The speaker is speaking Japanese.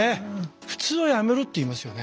普通はやめろって言いますよね。